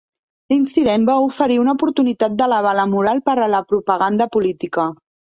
L"incident va oferir una oportunitat d"elevar la moral per a la propaganda política.